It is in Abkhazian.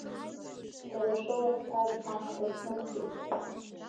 Сара ашыла зҭаз аҳаҭа снықәтәеит.